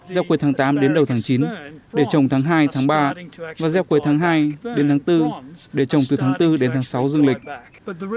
dẹp quê tháng tám đến đầu tháng chín để trồng tháng hai tháng ba và dẹp quê tháng hai đến tháng bốn để trồng từ tháng bốn đến tháng sáu dương lịch